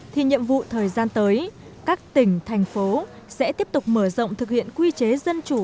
thì nhiệm vụ thời gian tới các tỉnh thành phố sẽ tiếp tục mở rộng thực hiện quy chế dân chủ